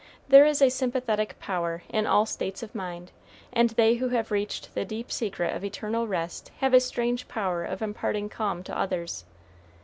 There is a sympathetic power in all states of mind, and they who have reached the deep secret of eternal rest have a strange power of imparting calm to others.